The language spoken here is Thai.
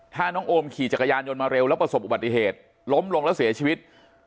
ถ้าน้องโอมขี่จักรยานยนต์มาเร็วแล้วประสบอุบัติเหตุล้มลงแล้วเสียชีวิต